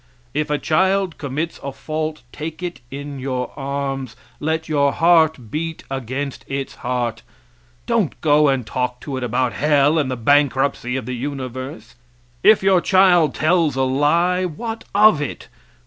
If a child commits a fault take it in your arms, let your heart beat against its heart; don't go and talk to it about hell and the bankruptcy of the universe. If your child tells a lie what of it?